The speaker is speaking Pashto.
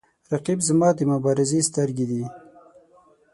رقیب زما د مبارزې سترګې ده